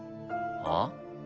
あっ？